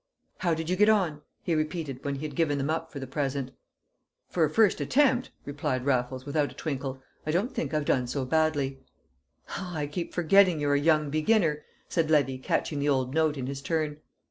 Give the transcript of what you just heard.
"How did you get on?" he repeated when he had given them up for the present. "For a first attempt," replied Raffles, without a twinkle, "I don't think I've done so badly." "Ah! I keep forgetting you're a young beginner," said Levy, catching the old note in his turn.